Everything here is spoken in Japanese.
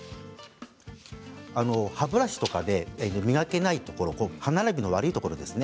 歯ブラシとかで磨けないところ歯並びの悪いところですね。